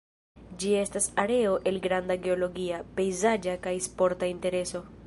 Ĝi estas areo el granda geologia, pejzaĝa kaj sporta intereso.